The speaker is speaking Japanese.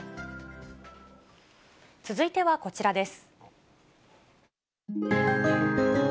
続いてはこちらです。